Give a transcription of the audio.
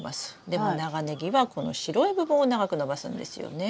でも長ネギはこの白い部分を長く伸ばすんですよね。